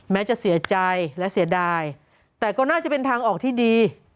แม้จะเสียใจและเสียดายแต่ก็น่าจะเป็นทางออกที่ดี